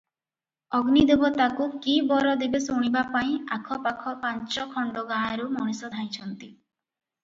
ଅଗ୍ନିଦେବ ତାକୁ କି ବର ଦେବେ ଶୁଣିବାପାଇଁ ଆଖ ପାଖ ପାଞ୍ଚ ଖଣ୍ଡ ଗାଁରୁ ମଣିଷ ଧାଇଁଛନ୍ତି ।